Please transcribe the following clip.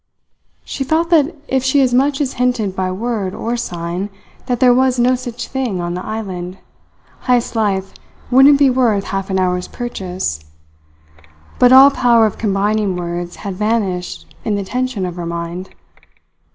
She felt that if she as much as hinted by word or sign that there was no such thing on the island, Heyst's life wouldn't be worth half an hour's purchase; but all power of combining words had vanished in the tension of her mind.